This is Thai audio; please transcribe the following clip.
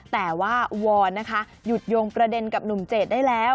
แต่ว่าวอนนะคะหยุดโยงประเด็นกับหนุ่มเจดได้แล้ว